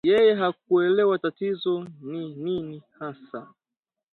Yeye hakuelewa tatizo ni nini hasa